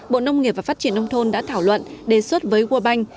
bộ nông nghiệp và phát triển nông thôn đã thảo luận đề xuất với world bank